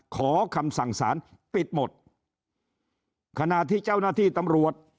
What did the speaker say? ขอคำสั่งสารปิดหมดขณะที่เจ้าหน้าที่ตำรวจ